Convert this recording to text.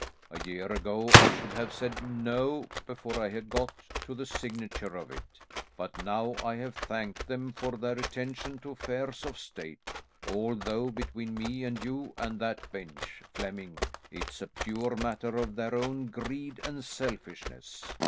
A year ago I should have said 'No' before I had got to the signature of it. But now I have thanked them for their attention to affairs of State, although between me and you and that bench, Flemming, it's a pure matter of their own greed and selfishness.